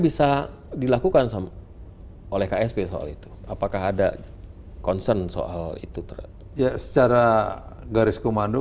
bisa dilakukan sama oleh ksp soal itu apakah ada concern soal itu ya secara garis komando